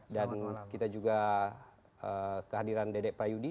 dan kita juga kehadiran dede prayudi